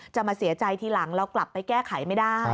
มาเสียใจทีหลังเรากลับไปแก้ไขไม่ได้